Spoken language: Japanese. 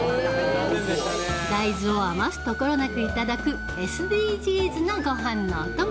大豆を余すところなくいただくＳＤＧｓな、ごはんのお供。